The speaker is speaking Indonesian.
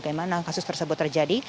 karena kasus tersebut terjadi